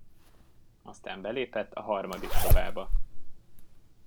Aztán belépett a harmadik szobába.